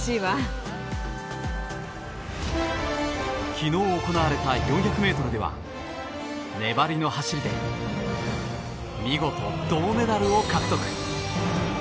昨日行われた４００ｍでは粘りの走りで見事、銅メダルを獲得。